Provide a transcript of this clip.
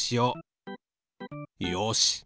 よし。